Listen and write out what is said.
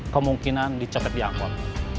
kemungkinan dicopet diangkot